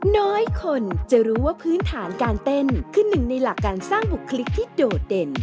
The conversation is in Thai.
น้อยคนจะรู้ว่าพื้นฐานการเต้นคือหนึ่งในหลักการสร้างบุคลิกที่โดดเด่น